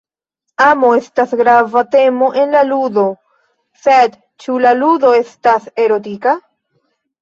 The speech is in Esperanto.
Amo estas grava temo en la ludo, sed ĉu la ludo estas erotika?